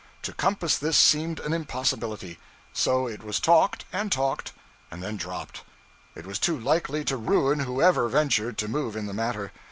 To compass this seemed an impossibility; so it was talked, and talked, and then dropped. It was too likely to ruin whoever ventured to move in the matter.